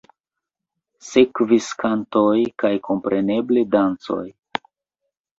Sekvis kantoj kaj kompreneble dancoj.